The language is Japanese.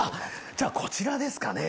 じゃあこちらですかね。